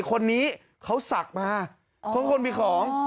คนนี้เขาศักดิ์มาเพราะคนมีของ